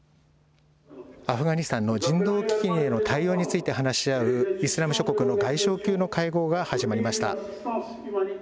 アフガニスタンの人道危機への対応ついて話し合うイスラム諸国の外相級の会合が始まりました。